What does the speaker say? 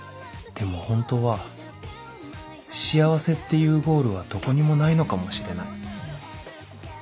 でも本当は幸せっていうゴールはどこにもないのかもしれない